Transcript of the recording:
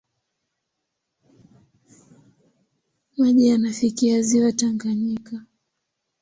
Maji yanafikia ziwa Tanganyika.